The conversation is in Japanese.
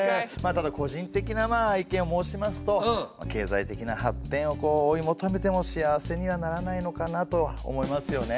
ただ個人的な意見を申しますと経済的な発展を追い求めても幸せにはならないのかなとは思いますよね。